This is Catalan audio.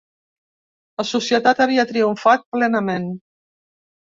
La Societat havia triomfat plenament.